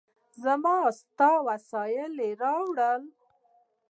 موږ ستا وسایل راوړل.